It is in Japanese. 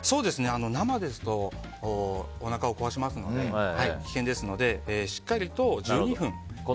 生ですとおなかを壊しますので危険ですのでしっかりと１２分ゆでてください。